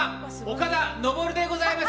岡田昇でございます。